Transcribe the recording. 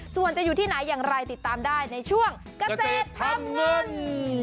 ส่วนจะอยู่ที่ไหนอย่างไรติดตามได้ในช่วงเกษตรทำเงิน